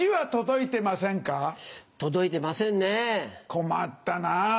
困ったなぁ。